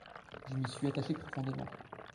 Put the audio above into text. Je m'y suis attaché profondément.